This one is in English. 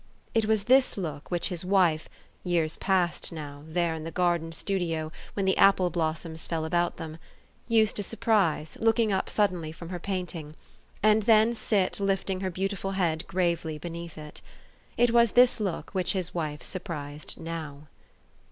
It was this look which his wife years past, now, there in the garden studio, when the apple blossoms fell about them used to surprise, looking up sud denly from her painting ; and then sit lifting her beautiful head gravely beneath it. It was this look which his wife surprised now.